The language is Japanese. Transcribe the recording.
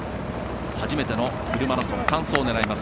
初めてのフルマラソン完走を狙います。